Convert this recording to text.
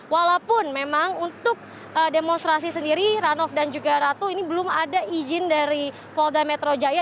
walaupun memang untuk demonstrasi sendiri ranof dan juga ratu ini belum ada izin dari polda metro jaya